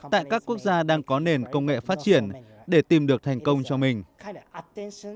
tại các quốc gia đang có nền công nghệ phát triển để tìm được thành công cho mình